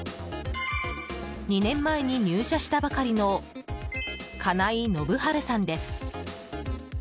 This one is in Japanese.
２年前に入社したばかりの金井伸治さんです。